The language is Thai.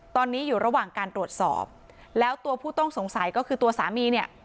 ตอนนี้อยู่ระหว่างการตรวจสอบแล้วตัวผู้ต้องสงสัยก็คือตัวสามีเนี่ย